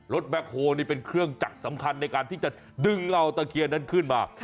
แบ็คโฮนี่เป็นเครื่องจักรสำคัญในการที่จะดึงเหล่าตะเคียนนั้นขึ้นมา